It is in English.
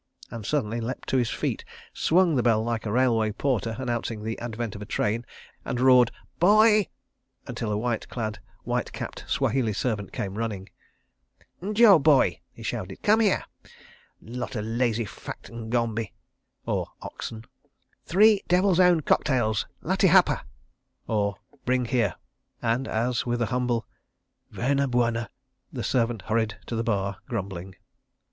..." And suddenly leapt to his feet, swung the bell like a railway porter announcing the advent of a train, and roared "Boy!" until a white clad, white capped Swahili servant came running. "N'jo, Boy!" he shouted. "Come here! ... Lot of lazy, fat n'gombe. {72a} ... Three 'Devil's Own' cocktails, late hapa," {72b} and as, with a humble "Verna, Bwana," the servant hurried to the bar, grumbling.